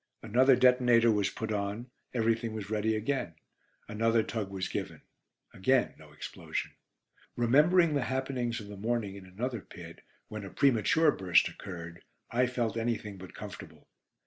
Another detonator was put on, everything was ready again. Another tug was given. Again no explosion. Remembering the happenings of the morning in another pit, when a premature burst occurred, I felt anything but comfortable.